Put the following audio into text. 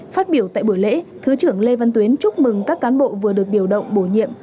phát biểu tại buổi lễ thứ trưởng lê văn tuyến chúc mừng các cán bộ vừa được điều động bổ nhiệm